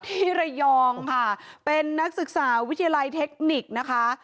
ที่ระยองค่ะเป็นนักศึกษาวิทยาลัยเทคนิคนะคะ